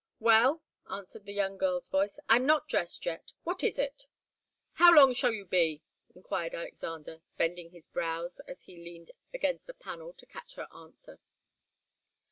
"Well " answered the young girl's voice "I'm not dressed yet. What is it?" "How long shall you be?" enquired Alexander, bending his brows as he leaned against the panel to catch her answer.